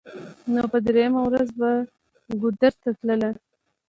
نو په درېمه ورځ به ګودر ته تله.